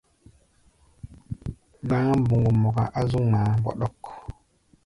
Gba̧á̧ mboŋgo mɔka á zú ŋmaá mbɔɗɔk.